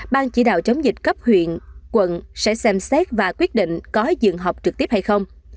ban chỉ đạo chống dịch cấp huyện quận sẽ xem xét và quyết định có dừng học trực tiếp hay không